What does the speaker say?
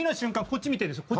こっち見てるんですよ。